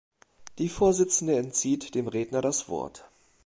Die Vorsitzende entzieht dem Redner das Wort.